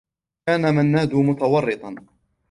كان منّاد متورّطا.